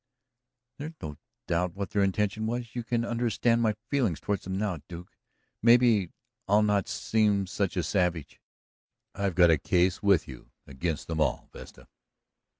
"There's no doubt what their intention was. You can understand my feelings toward them now, Duke; maybe I'll not seem such a savage." "I've got a case with you against them all, Vesta."